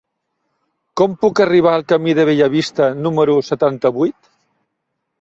Com puc arribar al camí de Bellavista número setanta-vuit?